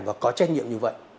và có trách nhiệm như vậy